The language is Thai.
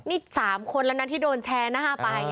นี่๓คนแล้วนะที่โดนแชร์หน้าไป